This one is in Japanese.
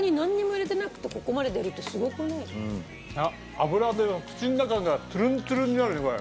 脂で口の中がツルンツルンになるねこれ。